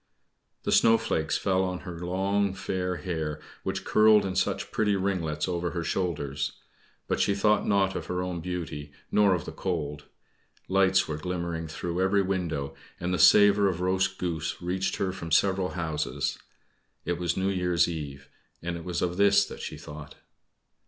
The snowflakes fell on her long fair hair, which curled in such pretty ringlets over her shoulders; but she thought not of her own beauty, nor of the cold. Lights were glimmering through every window, and the savor of roast goose reached her from several houses. It was New Year's Eve, and it was of this that she thought.